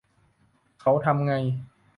เขาทำไง